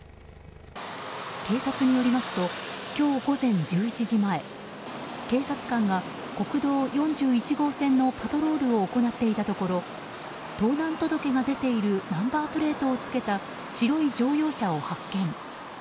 警察によりますと今日午前１１時前警察官が国道４１号線のパトロールを行っていたところ盗難届が出ているナンバープレートを付けた白い乗用車を発見。